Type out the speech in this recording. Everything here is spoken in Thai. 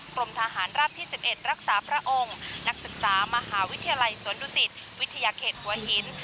กรมทหารราบที่๑๑รักษาพระองค์นักศึกษามหาวิทยาลัยสวนดุสิตวิทยาเขตหัวหิน